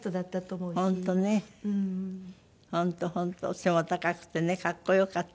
背も高くてね格好良かった。